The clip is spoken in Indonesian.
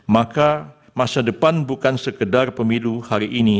maka masa depan bukan sekedar pemilu hari ini